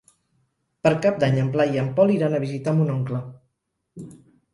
Per Cap d'Any en Blai i en Pol iran a visitar mon oncle.